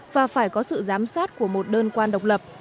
và phải có sự giám sát của một đơn quan độc lập